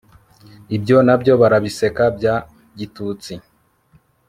ibyo nabyo barabiseka bya gitutsi